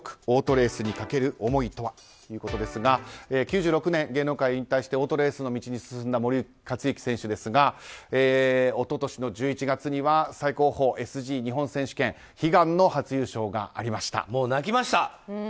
オートレースにかける思いとはということですが９６年、芸能界を引退してオートレースの世界に進んだ森且行選手ですが一昨年の１１月には最高峰ＳＧ日本選手権悲願の初優勝がありました。